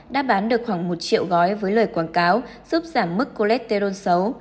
đã bán được khoảng một triệu gói với lời quảng cáo giúp giảm mức colette tê rôn xấu